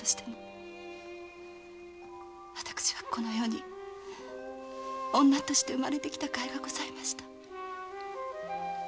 私はこの世に女として生まれてきたかいがありました。